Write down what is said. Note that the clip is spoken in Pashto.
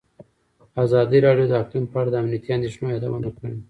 ازادي راډیو د اقلیم په اړه د امنیتي اندېښنو یادونه کړې.